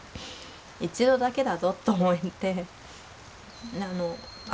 一度だけだぞと思って会って。